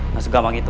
masuk gampang itu